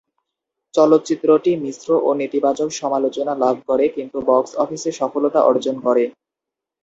চলচ্চিত্রটি মিশ্র ও নেতিবাচক সমালোচনা লাভ করে, কিন্তু বক্স অফিসে সফলতা অর্জন করে।